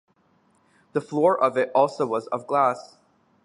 The floor of it also was of glass.